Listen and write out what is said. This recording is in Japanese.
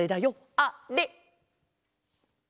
あれ！